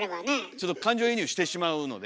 ちょっと感情移入してしまうので。